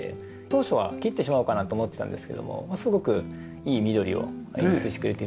当初は切ってしまおうかなと思ってたんですけどもすごくいい緑を演出してくれているなと。